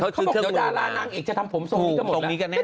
เขาบอกว่านางเอกจะทำผมทรงนี้กันแน่นอน